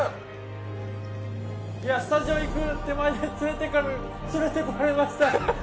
スタジオ行く手前で連れて行かれました。